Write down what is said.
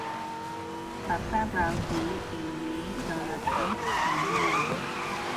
Pappalardi est né dans le Bronx à New York.